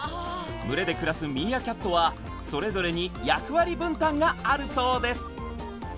群れで暮らすミーアキャットはそれぞれに役割分担があるそうです